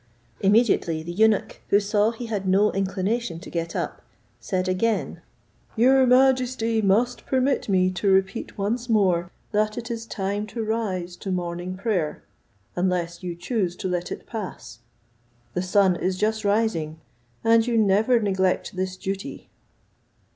Immediately the eunuch, who saw he had no inclination to get up, said again, "Your majesty must permit me to repeat once more that it is time to rise to morning prayer, unless you choose to let it pass; the sun is just rising, and you never neglect this duty."